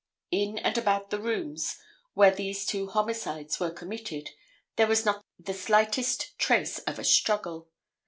In and about the rooms where these two homicides were committed there was not the slightest trace of a struggle.